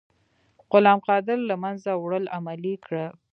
غلام قادر له منځه وړل عملي کړئ.